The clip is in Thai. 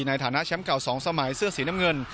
ในฐานะแชมป์เก่า๒สมัยเสื้อสีน้ำเงิน